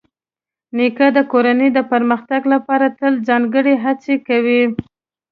نیکه د کورنۍ د پرمختګ لپاره تل ځانګړې هڅې کوي.